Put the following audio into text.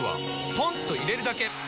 ポンと入れるだけ！